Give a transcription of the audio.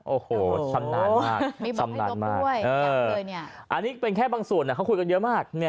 โอ้โหชำนาญมากชำนาญมากอันนี้เป็นแค่บางส่วนเขาคุยกันเยอะมาก